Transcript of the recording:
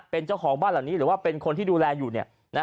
เป็นเจ้าของบ้านหลังนี้หรือว่าเป็นคนที่ดูแลอยู่